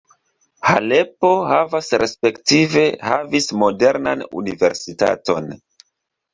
Halepo havas respektive havis modernan universitaton.